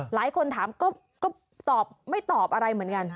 หลายคนถามก็ตอบไม่ตอบอะไรเหมือนกัน